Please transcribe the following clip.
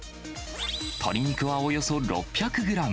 鶏肉はおよそ６００グラム。